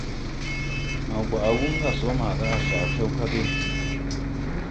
Naw gwaʼ wuŋ gà sɔ maaga à caa fɛw kag.